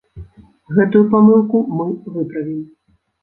Гэтую памылку мы выправім.